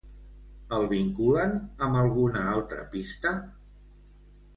El vinculen amb alguna altra pista?